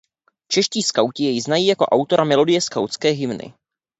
Čeští skauti jej znají jako autora melodie skautské hymny.